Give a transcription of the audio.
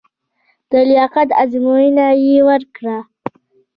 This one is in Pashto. د لیاقت ازموینه یې ورکړه.